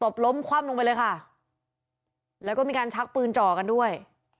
ล้มคว่ำลงไปเลยค่ะแล้วก็มีการชักปืนจ่อกันด้วย